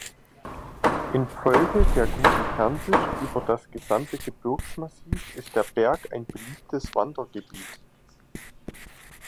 Infolge der guten Fernsicht über das gesamte Gebirgsmassiv ist der Berg ein beliebtes Wandergebiet.